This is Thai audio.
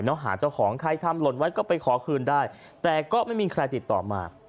หาเจ้าของใครทำหล่นไว้ก็ไปขอคืนได้แต่ก็ไม่มีใครติดต่อมา